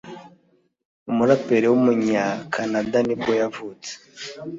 umuraperi w’umunyakanada nibwo yavutse